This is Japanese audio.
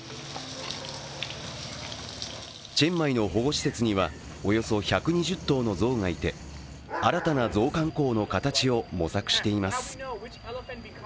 チェンマイの保護施設にはおよそ１２０頭のゾウがいて新たなゾウ観光の形を模索しています。